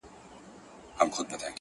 بيزو وان كړې په نكاح څلور بيبياني-